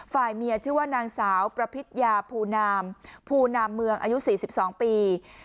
ฝ่ายเมียชื่อว่านางสาวประพิษยาภูนามภูนามเมืองอายุ๔๒ปี